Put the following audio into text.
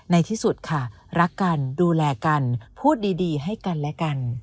ในที่สุดค่ะรักกันดูแลกันพูดดีให้กันและกัน